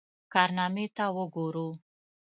کارنامې ته وګورو.